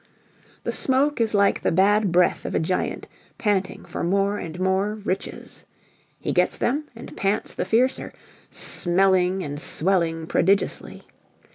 The smoke is like the bad breath of a giant panting for more and more riches. He gets them and pants the fiercer, smelling and swelling prodigiously.